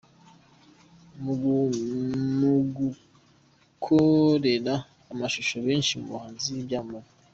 mu gukorera amashusho benshi mu bahanzi b'ibyamamare.